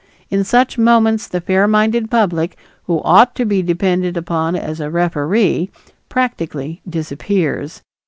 In such moments the fair minded public, who ought to be depended upon as a referee, practically disappears.